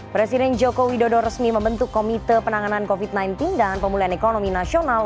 presiden joko widodo resmi membentuk komite penanganan covid sembilan belas dan pemulihan ekonomi nasional